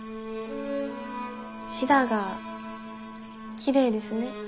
シダがきれいですね。